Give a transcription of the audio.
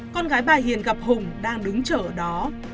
con gái bà hiền gặp hùng đang đứng chở ở đó